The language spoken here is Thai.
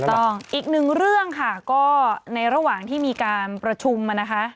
ถูกต้องอีกหนึ่งเรื่องค่ะก็ในระหว่างที่มีการประชุมนะคะ